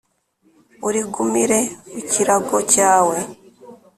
Urigumire mu kirago cyawe!"